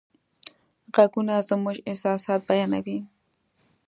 غږونه زموږ احساسات بیانوي.